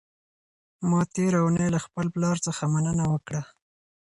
ما تېره اونۍ له خپل پلار څخه مننه وکړه.